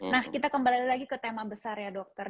nah kita kembali lagi ke tema besar ya dokter